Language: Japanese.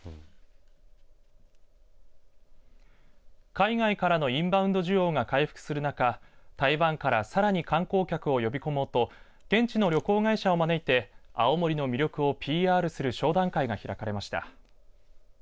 海外からのインバウンド需要が回復する中台湾からさらに観光客を呼び込もうと現地の旅行会社を招いて青森の魅力をＰＲする商談会が開かれました。